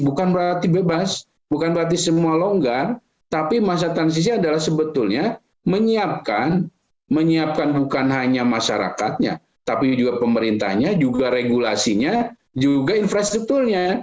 bukan berarti bebas bukan berarti semua longgar tapi masa transisi adalah sebetulnya menyiapkan bukan hanya masyarakatnya tapi juga pemerintahnya juga regulasinya juga infrastrukturnya